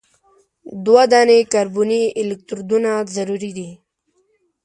دوه دانې کاربني الکترودونه ضروري دي.